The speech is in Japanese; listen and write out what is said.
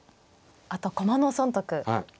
あと駒の損得。